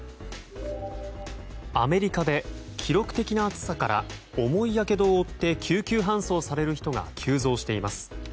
アメリカで記録的な暑さから重いやけどを負って救急搬送される人が急増しています。